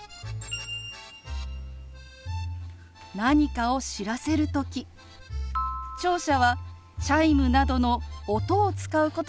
何かを知らせる時聴者はチャイムなどの音を使うことが多いですよね。